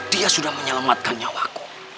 dia sudah menyelamatkan nyawaku